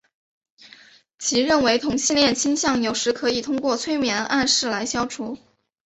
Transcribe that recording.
其认为同性恋倾向有时可以通过催眠暗示来消除。